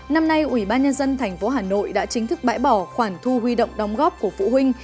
năm nay ủy ban nhân dân tp hà nội đã chính thức bãi bỏ khoản thu huy động đóng góp của phụ huynh